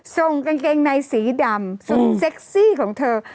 กางเกงในสีดำสุดเซ็กซี่ของเธอ